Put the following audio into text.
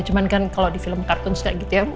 cuma kan kalau di film kartun suka gitu ya